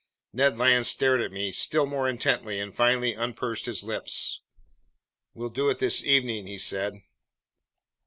Ned Land stared at me still more intently and finally unpursed his lips: "We'll do it this evening," he said.